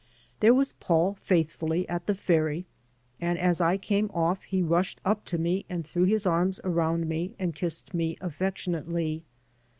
There was Paul faithfully at the ferry, and as I came off he rushed up to me and threw his arms around me and kissed me affectionately.